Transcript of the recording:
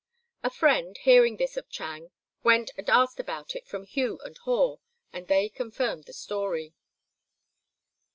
A friend, hearing this of Chang, went and asked about it from Hugh and Haw, and they confirmed the story.